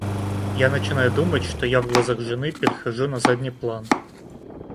Я начинаю думать, что я, в глазах жены, перехожу на задний план.